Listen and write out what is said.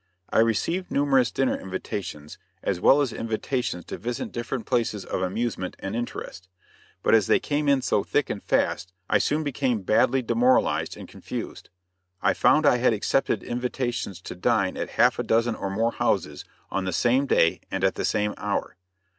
I received numerous dinner invitations, as well as invitations to visit different places of amusement and interest; but as they came in so thick and fast, I soon became badly demoralized and confused. I found I had accepted invitations to dine at half a dozen or more houses on the same day and at the same hour.